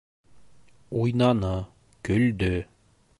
Уйнаны, көлдө.